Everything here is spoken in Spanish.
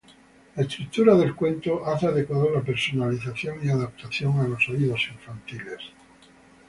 La estructura del cuento hace adecuado la personalización y adaptación a los oídos infantiles.